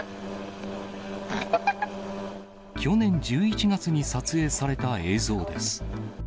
去年１１月に撮影された映像です。